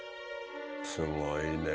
すごいね。